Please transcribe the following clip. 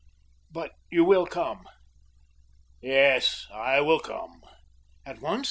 "But you will come?" "Yes, I will come." "At once?"